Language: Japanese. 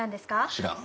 知らん。